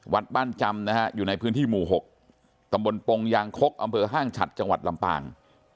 วัดบ้านจำนะฮะอยู่ในพื้นที่หมู่๖ตำบลปงยางคกอำเภอห้างฉัดจังหวัดลำปาง